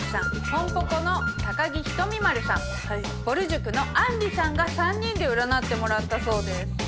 ぽこの高木ひとみ○さんぼる塾のあんりさんが３人で占ってもらったそうです。